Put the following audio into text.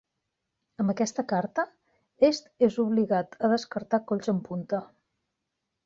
Amb aquesta carta, Est és obligat a descartar colls amb punta.